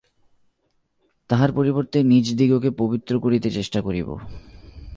তাহার পরিবর্তে নিজদিগকে পবিত্র করিতে চেষ্টা করিব।